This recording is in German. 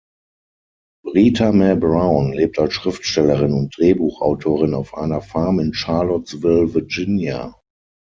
Rita Mae Brown lebt als Schriftstellerin und Drehbuchautorin auf einer Farm in Charlottesville, Virginia.